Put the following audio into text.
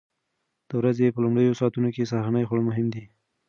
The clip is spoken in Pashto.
د ورځې په لومړیو ساعتونو کې سهارنۍ خوړل مهم دي.